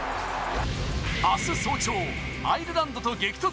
あす早朝、アイルランドと激突。